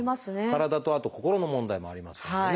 体とあと心の問題もありますからね。